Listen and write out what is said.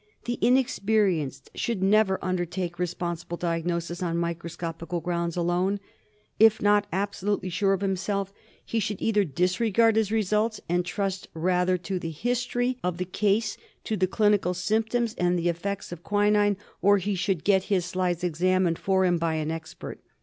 The inexperienced should never undertake responsible diagnosis on microscopical grounds alone. If not absolutely sure of himself he should either disregard his results and trust rather to the history of the case, to clinical symptoms and the effects of quinine, or he should get his slides examined for him by an expert.